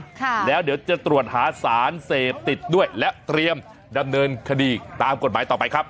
ค่ะแล้วเดี๋ยวจะตรวจหาสารเสพติดด้วยและเตรียมดำเนินคดีตามกฎหมายต่อไปครับ